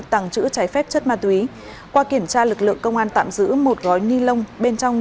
tàng trữ trái phép chất ma túy qua kiểm tra lực lượng công an tạm giữ một gói ni lông bên trong